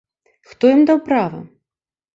Хто ім даў права?